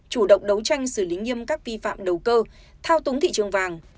chủ động đấu tranh xử lý nghiêm các vi phạm đầu cơ thao túng thị trường vàng